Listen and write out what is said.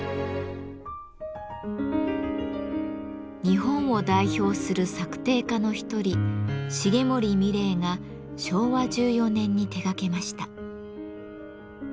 日本を代表する作庭家の一人重森三玲が昭和１４年に手がけました。